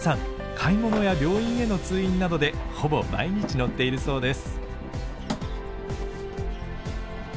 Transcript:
買い物や病院への通院などでほぼ毎日乗っているそうです。